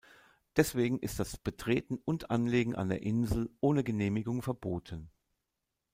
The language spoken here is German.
Deswegen ist das Betreten und Anlegen an der Insel ohne Genehmigung verboten.